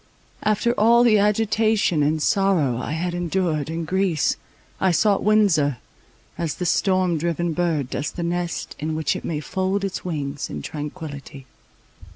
After all the agitation and sorrow I had endured in Greece, I sought Windsor, as the storm driven bird does the nest in which it may fold its wings in tranquillity.